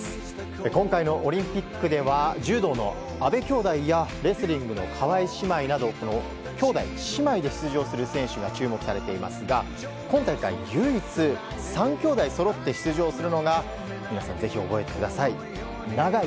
今回のオリンピックでは柔道の阿部兄妹やレスリングの川井姉妹など兄妹、姉妹で出場する選手が注目されていますが今大会唯一３きょうだいそろって出場するのが皆さん、ぜひ覚えてください